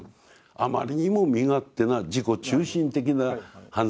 「あまりにも身勝手な自己中心的な犯罪である」と。